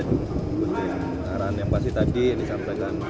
arahan yang pasti tadi yang disampaikan